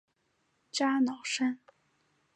加瑙山。